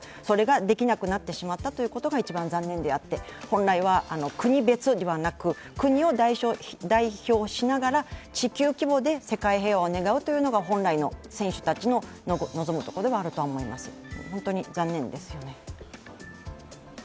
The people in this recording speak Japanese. それができなくなったということが一番残念であって本来は国別ではなく、国を代表しながら地球規模で世界平和を願うというのが本来の選手たちの望むことだと思います。